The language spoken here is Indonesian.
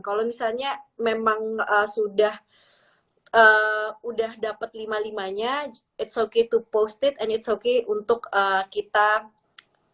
kalau misalnya memang sudah udah dapet lima limanya it's okay to post it and it's okay untuk kita terima